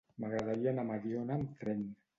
M'agradaria anar a Mediona amb tren.